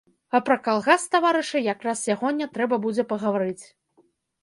А пра калгас, таварышы, якраз сягоння трэба будзе пагаварыць.